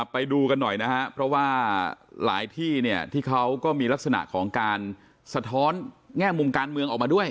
ไปดูกันหน่อยนะครับเพราะว่าหลายที่เนี่ยที่เขาก็มีลักษณะของการสะท้อนแง่มุมการเมืองออกมาด้วย